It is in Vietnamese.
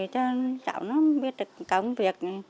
cho cháu biết được công việc